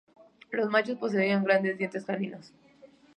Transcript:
Los machos poseían grandes dientes caninos.